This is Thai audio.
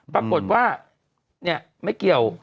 ปรากฏว่าไม่เกี่ยว